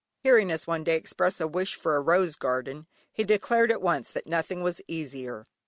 Hearing us one day express a wish for a rose garden, he declared at once that nothing was easier.